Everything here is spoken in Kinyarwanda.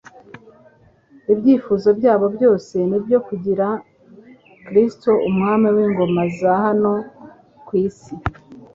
Ibyifizo byabo byose ni ibyo kugira Kristo umwami w'ingoma za hano ku isi,